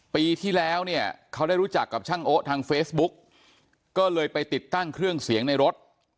ปีที่แล้วเนี่ยเขาได้รู้จักกับช่างโอ๊ทางเฟซบุ๊กก็เลยไปติดตั้งเครื่องเสียงในรถ